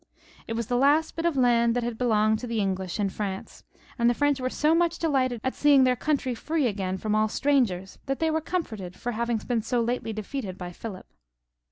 It was the last bit of land that had belonged to the English in France, and the French were so much delighted at seeiug their country free again from all strangers that they were comforted for hav ing been so lately defeated by Philip.